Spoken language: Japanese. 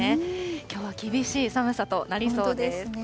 きょうは厳しい寒さとなりそうです。